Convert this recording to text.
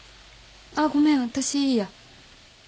あっごめん私いいや。